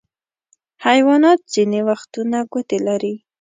حیوانات ځینې وختونه ګوتې لري.